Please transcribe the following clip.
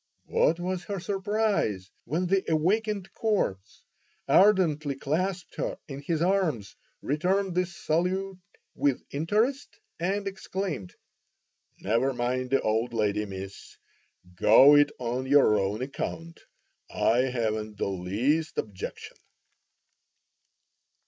What was her surprise when the awakened "corpse" ardently clasped her in his arms, returned the salute with interest, and exclaimed: "Never mind the old lady, Miss; go it on your own account; I haven't the least objection."